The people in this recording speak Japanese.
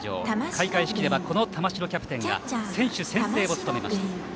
開会式ではこの玉城キャプテンが選手宣誓を務めました。